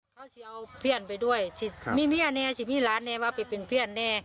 เขาจะเอาเพื่อนไปด้วยที่มีเมียเนี่ยที่มีหลานเนี่ยว่าเป็นเพื่อนเนี่ย